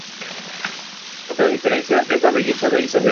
Otra diferencia es la belleza de Isabel.